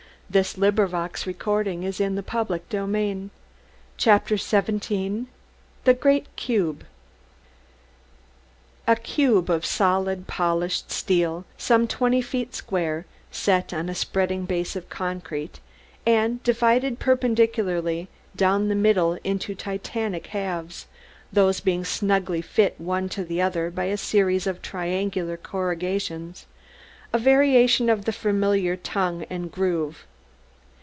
Vass iss, iss, und id don'd do any good to say id ain'd." CHAPTER XVII THE GREAT CUBE A cube of solid, polished steel, some twenty feet square, set on a spreading base of concrete, and divided perpendicularly down the middle into Titanic halves, these being snugly fitted one to the other by a series of triangular corrugations, a variation of the familiar tongue and groove.